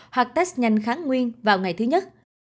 hoặc test nhanh kháng nguyên vào ngày thứ nhất